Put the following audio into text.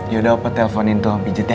yaudah opah telfonin tuh abijit ya